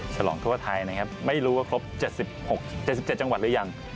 สลองทั่วไทยนะครับไม่รู้ว่าครบเจ็ดสิบหกเจ็ดสิบเจ็ดจังหวัดหรือยัง